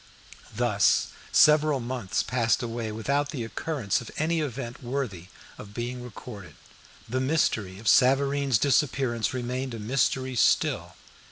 Thus, several months passed away without the occurrence of any event worthy of being recorded. The mystery of Savareen's disappearance remained a mystery still.